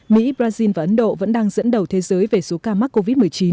mỹ brazil và ấn độ vẫn đang dẫn đầu thế giới về số ca mắc covid một mươi chín